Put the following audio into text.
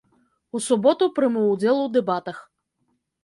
У суботу прыму ўдзел у дэбатах.